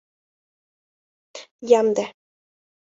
— Ямде.